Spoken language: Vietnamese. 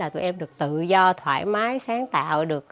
tụi em được tự do thoải mái sáng tạo